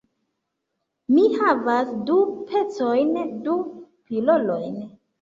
Mi havas du pecojn. Du pilolojn.